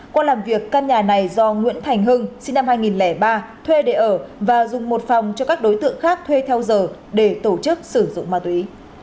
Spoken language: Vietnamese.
qua làm việc căn nhà này do nguyễn thành hưng sinh năm hai nghìn ba thuê để ở và dùng một phòng cho các đối tượng khác thuê theo giờ để tổ chức sử dụng ma túy